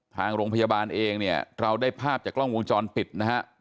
ทางโรงพยาบาลเองเนี่ยเราได้ภาพจากกล้องวงจรปิดนะฮะ